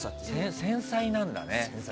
繊細なんだね。